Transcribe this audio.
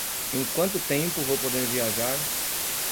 em quanto tempo vou poder viajar